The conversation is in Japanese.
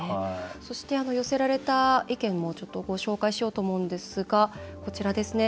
そして、寄せられた意見もご紹介しようと思うんですがこちらですね。